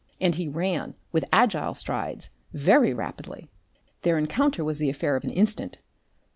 And he ran, with agile strides, very rapidly. Their encounter was the affair of an instant.